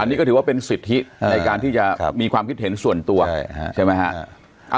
อันนี้ก็ถือว่าเป็นสิทธิในการที่จะมีความคิดเห็นส่วนตัวใช่ไหมฮะ